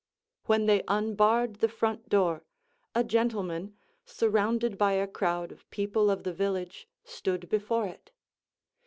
When they unbarred the front door, a gentleman, surrounded by a crowd of people of the village, stood before it.